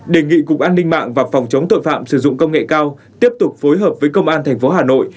đề nghị cục an ninh mạng và phòng chống tội phạm sử dụng công nghệ cao tiếp tục phối hợp với công an tp hà nội